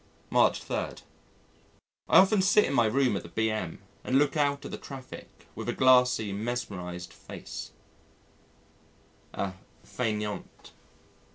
March 3. I often sit in my room at the B.M. and look out at the traffic with a glassy, mesmerised face a fainéant.